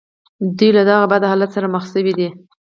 دوی له دغه بد حالت سره مخ شوي دي